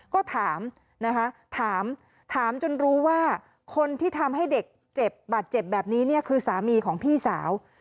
ก็ถามนะคะถามถามจนรู้ว่าคนที่ทำให้เด็กเจ็บบาดเจ็บแบบนี้เนี่ยคือสามีของพี่สาว